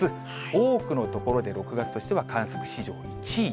多くの所で６月としては観測史上１位。